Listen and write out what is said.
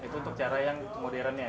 itu untuk cara yang modernnya